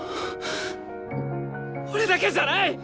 俺だけじゃない！